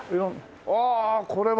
ああこれは！